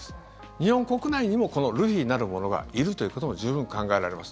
日本国内にもこのルフィなる者がいるということも十分考えられます。